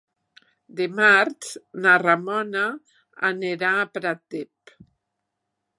Dimarts na Ramona anirà a Pratdip.